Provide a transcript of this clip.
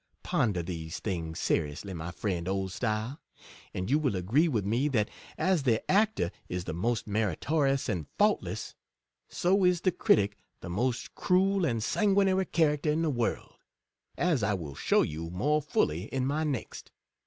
Ponder these things seriously d2 40 my friend Oldstyle, and you will agree with me that, as the actor is the most meritorious and faultless, so is the critic the most cruel and sanguinary character in the world—" as I will show you more fully in my next.''